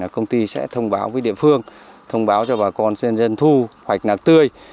công ty sẽ thông báo với địa phương thông báo cho bà con xuyên dân thu hoạch lạc tươi